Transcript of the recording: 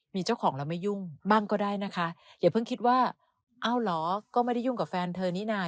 มีเจ้าของแล้วไม่ยุ่งบ้างก็ได้นะคะอย่าเพิ่งคิดว่าอ้าวเหรอก็ไม่ได้ยุ่งกับแฟนเธอนี่นะ